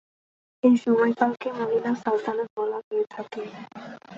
এই সময়কালকে "মহিলা সালতানাত" বলা হয়ে থাকে।